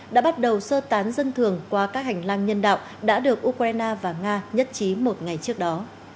đã bắt đầu sơ tán dân thường qua các hành lang nhân đạo đã được ukraine và nga nhất trí một ngày trước đó